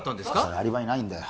アリバイないんだよ